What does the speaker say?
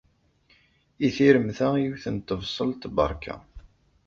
I tiremt-a yiwet n tebṣelt berka.